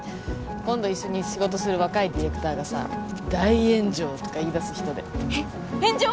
今度一緒に仕事する若いディレクターがさ大炎上とか言いだす人でえっ炎上！？